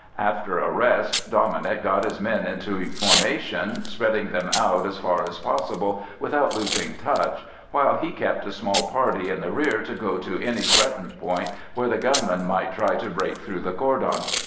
After a rest Dominic got his men into formation, spreading them out as far as possible without losing touch, while he kept a small party in the rear to go to any threatened point where the gunmen might try to break through the cordon.